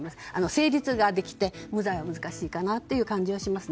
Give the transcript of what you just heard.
成立ができて、無罪は難しいかなという感じがします。